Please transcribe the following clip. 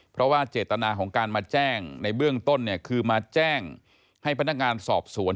เพราะว่าเจตนาของการมาแจ้งในเบื้องต้นเนี่ยคือมาแจ้งให้พนักงานสอบสวน